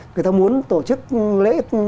người ta muốn tổ chức lễ